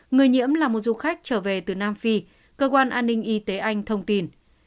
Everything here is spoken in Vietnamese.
người nhiễm là một du khách trở về từ nam phi cơ quan an ninh y tế anh thông tin